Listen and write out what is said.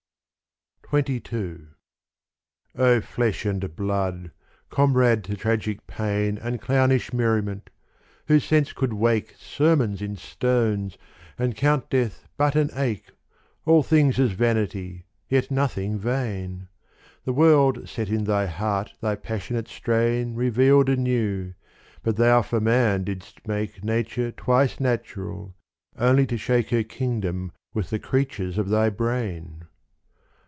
XXII O FLESH and blood, comrade to tragic pain And clownish merriment : whose sense could wake Sermons in stones, and count death but an ache, All things as vanity, yet nothing vain : The world set in thy heart thy passionate strain Revealed anew : but thou for man didst make Nature twice natural, only to shake Her kingdom with the creatures of thy brain.